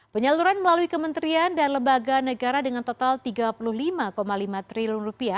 penyaluran melalui kementerian dan lembaga negara dengan total rp tiga puluh lima lima triliun